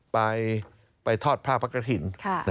ไปทอดผ้าพระกระถิ่น